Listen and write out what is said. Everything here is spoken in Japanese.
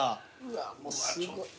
うわもうすごい。